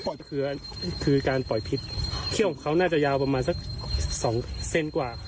โอ้โฮคือการปล่อยพิษเข่งกับเขาน่าจะยาวประมาณสักสองเซ็นต์กว่า